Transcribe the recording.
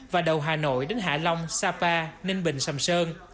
và đầu hà nội đến hạ long sapa ninh bình sầm sơn